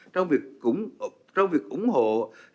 trong việc ủng hộ hiệp định rcep